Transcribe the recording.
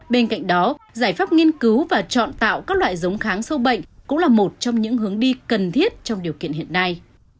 bên cạnh đó giải pháp nghiên cứu và chọn tạo các loại giống kháng sâu bệnh cũng là một trong những hướng đi cần thiết trong điều kiện hiện nay